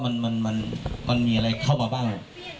มันมีอะไรเข้ามาบ้าง